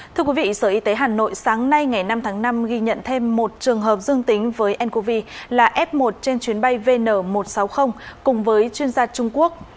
thưa quý vị sở y tế hà nội sáng nay ngày năm tháng năm ghi nhận thêm một trường hợp dương tính với ncov là f một trên chuyến bay vn một trăm sáu mươi cùng với chuyên gia trung quốc